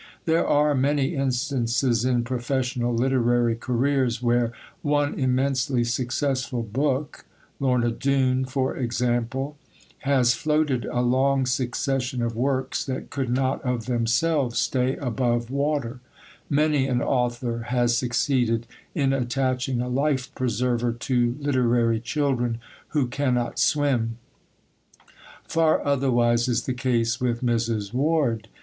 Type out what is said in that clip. There are many instances in professional literary careers where one immensely successful book Lorna Doone, for example has floated a long succession of works that could not of themselves stay above water; many an author has succeeded in attaching a life preserver to literary children who cannot swim. Far otherwise is the case with Mrs. Ward.